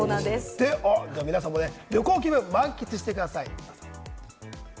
皆さん、旅行気分を満喫してください。